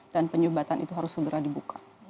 dan penyumbatan itu harus segera dibuka